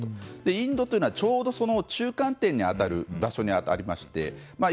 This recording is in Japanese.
インドというのはちょうど中間点に当たる場所にありまして。